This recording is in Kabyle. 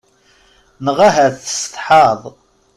Neɣ ahat tsetḥaḍ.